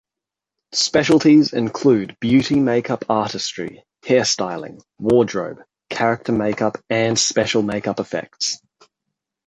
Specialties include beauty make-up artistry, hairstyling, wardrobe, character make-up and special make-up effects.